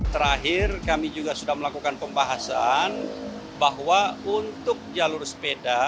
terakhir kami juga sudah melakukan pembahasan bahwa untuk jalur sepeda